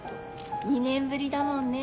２年ぶりだもんね。